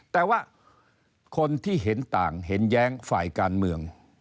แต่ว่าคนที่เห็นต่างเห็นแย้งฝ่ายการเมือง